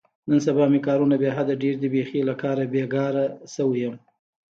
نن سبا مې کارونه بې حده ډېر دي، بیخي له کاره بېگاره شوی یم.